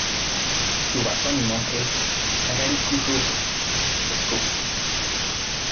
Su basónimo es "Agaricus rufus" Scoop.